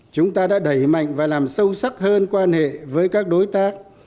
chúng ta đã đẩy mạnh và làm sâu sắc hơn quan hệ với các đối tác